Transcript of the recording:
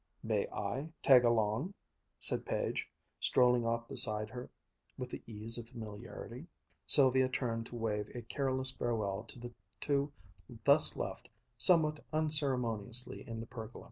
"May I tag along?" said Page, strolling off beside her with the ease of familiarity. Sylvia turned to wave a careless farewell to the two thus left somewhat unceremoniously in the pergola.